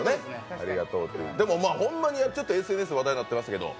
でもほんまにＳＮＳで話題になってますけど、